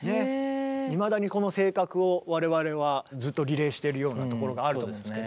いまだにこの性格を我々はずっとリレーしてるようなところがあると思うんですけど。